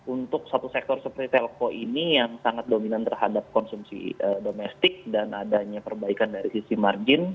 untuk satu sektor seperti telko ini yang sangat dominan terhadap konsumsi domestik dan adanya perbaikan dari sisi margin